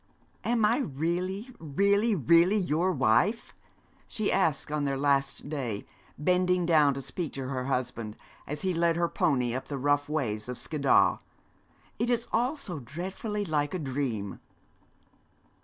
'Am I really, really, really your wife?' she asked on their last day, bending down to speak to her husband, as he led her pony up the rough ways of Skiddaw. 'It is all so dreadfully like a dream.'